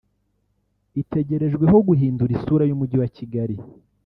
itegerejweho guhindura isura y’Umujyi wa Kigali